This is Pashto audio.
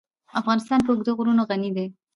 افغانستان په اوږده غرونه غني دی.